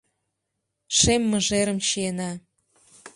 Шем мыжерым чиена.